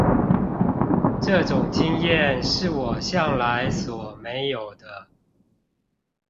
這種經驗是我向來所沒有的